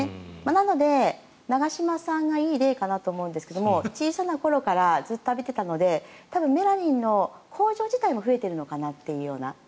なので、長嶋さんがいい例かなと思うんですけど小さな頃からずっと浴びていたので多分、メラニンの工場自体も増えているのかなっていうような。